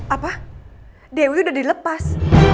apa dewi udah dilepas